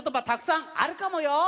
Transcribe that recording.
たくさんあるかもよ。